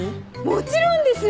もちろんです！